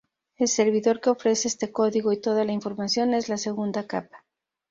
El servidor que ofrece este código y toda la información es la segunda capa.